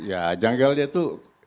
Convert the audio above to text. ya janggalnya itu